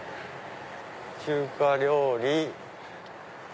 中華料理。